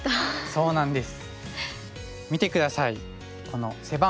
そうなんです。